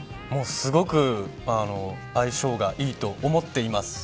すごく相性がいいと思っています。